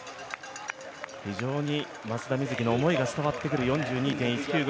非常に松田瑞生の思いが伝わってくる４２．１９５